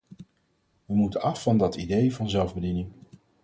We moeten af van dat idee van zelfbediening.